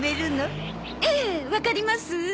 ええ。わかります？